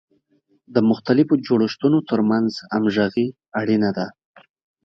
د مختلفو جوړښتونو ترمنځ همغږي اړینه ده.